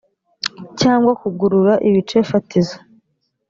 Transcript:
cyangwa kugurura ibice fatizo